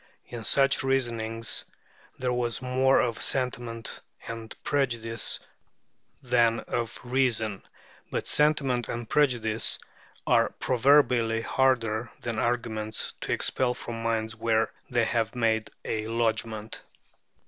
In such reasonings there was more of sentiment and prejudice than of reason, but sentiment and prejudice are proverbially harder than arguments to expel from minds where they have made a lodgment.